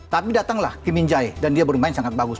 tapi datanglah kim min jae dan dia bermain sangat bagus